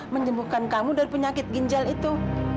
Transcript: menjembukkan kamu dari penyakit ginjal itu